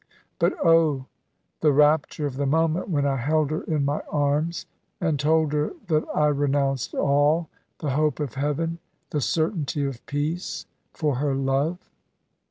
But, oh, the rapture of the moment when I held her in my arms, and told her that I renounced all the hope of heaven, the certainty of peace for her love."